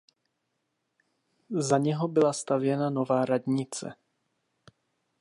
Za něho byla stavěna nová radnice.